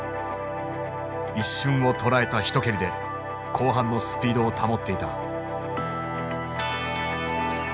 一瞬をとらえた一蹴りで後半のスピードを保っていた。